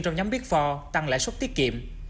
trong nhóm biết phò tăng lại suất tiết kiệm